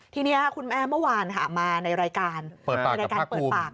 ทีนี้คุณแม่เมื่อวานค่ะมาในรายการเปิดปาก